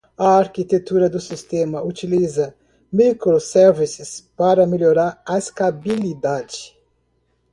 A arquitetura do sistema utiliza microservices para melhor escalabilidade.